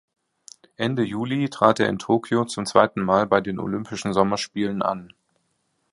Ende Juli trat er in Tokio zum zweiten Mal bei den Olympischen Sommerspielen an.